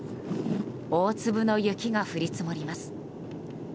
大粒の雪が降り積もります。